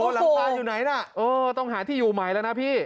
หลังคาอยู่ไหนล่ะต้องหาที่อยู่ใหม่แล้วนะพี่